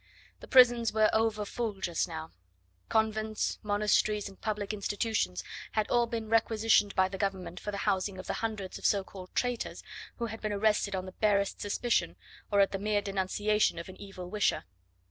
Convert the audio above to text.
The prisons were over full just now; convents, monasteries, and public institutions had all been requisitioned by the Government for the housing of the hundreds of so called traitors who had been arrested on the barest suspicion, or at the mere denunciation of an evil wisher.